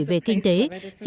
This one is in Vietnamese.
về kinh tế và các nội khối